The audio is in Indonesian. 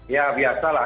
ya biasa lah